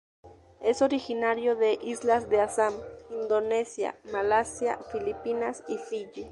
Es originario de islas de Assam, Indonesia, Malasia, Filipinas y Fiyi.